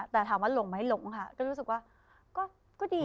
แต่ถามว่าหลงไหมหลงค่ะก็รู้สึกว่าก็ดี